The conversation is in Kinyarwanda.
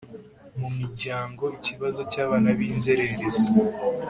Mu miryango ikibazo cy abana b inzererezi